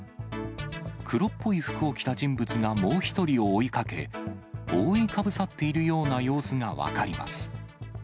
黒っぽい服を着た人物が、もう一人追いかけ、覆いかぶさっているような様子が分かります。